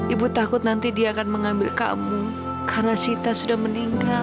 ibu takut nanti dia akan mengambil kamu karena sita sudah meninggal